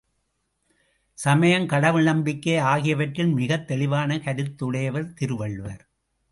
சமயம், கடவுள் நம்பிக்கை ஆகியவற்றில் மிக தெளிவான கருத்துடையவர் திருவள்ளுவர்.